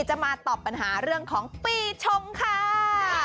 จะมาตอบปัญหาเรื่องของปีชงค่ะ